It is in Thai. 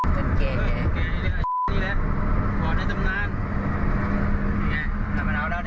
พ่อในตำนานไงได้มาแล้วแล้วเนี้ย